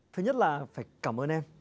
thứ nhất là phải cảm ơn em